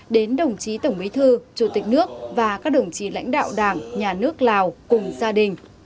đến đồng chí tổng bí thư chủ tịch nước và các đồng chí lãnh đạo đảng nhà nước lào cùng gia đình